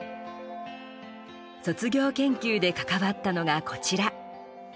卒業研究で関わったのが、こちら。